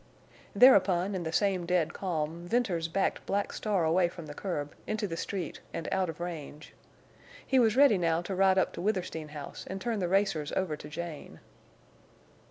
_" Thereupon, in the same dead calm, Venters backed Black Star away from the curb, into the street, and out of range. He was ready now to ride up to Withersteen House and turn the racers over to Jane.